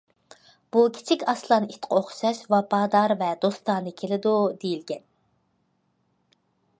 بۇ كىچىك ئاسلان ئىتقا ئوخشاش ۋاپادار ۋە دوستانە كېلىدۇ، دېيىلگەن.